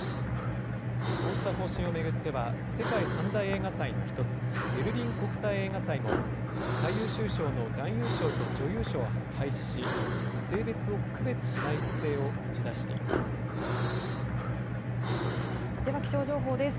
こうした方針を巡っては、世界３大映画祭の１つ、ベルリン国際映画祭も、最優秀賞の男優賞と女優賞を廃止し、性別を区別しない姿勢を打ちでは気象情報です。